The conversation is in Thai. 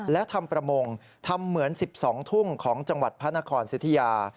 และทำประมงทำเหมือน๑๒ทุ่งของจังหวัดพระนครสิทธิยา